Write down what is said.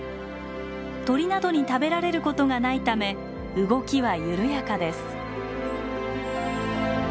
鳥などに食べられることがないため動きは緩やかです。